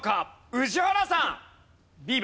宇治原さん。